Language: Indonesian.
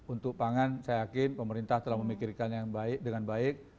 untuk pangan saya yakin pemerintah telah memikirkan dengan baik